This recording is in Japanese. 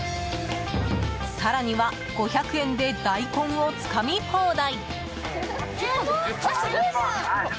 更には、５００円で大根をつかみ放題。